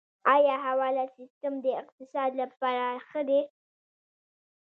آیا حواله سیستم د اقتصاد لپاره ښه دی؟